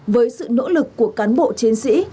với sự nỗ lực của cán bộ chiến sĩ